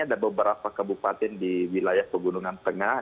ada beberapa kabupaten di wilayah pegunungan tengah